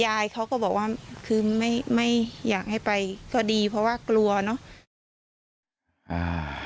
ยายเขาก็บอกว่าคือไม่ไม่อยากให้ไปก็ดีเพราะว่ากลัวเนอะ